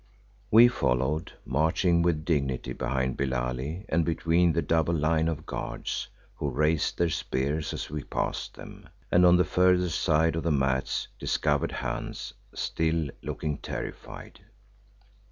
We followed, marching with dignity behind Billali and between the double line of guards, who raised their spears as we passed them, and on the further side of the mats discovered Hans, still looking terrified.